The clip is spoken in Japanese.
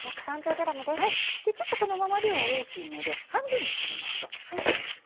ちょっとこのままでは大きいので半分に切りましょう。